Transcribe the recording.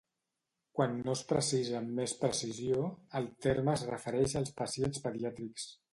Quan no es precisa amb més precisió, el terme es refereix als pacients pediàtrics.